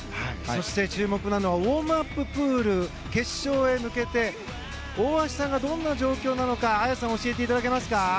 そして注目なのはウォームアッププール決勝へ向けて大橋さんがどんな状況か綾さん、教えていただけますか？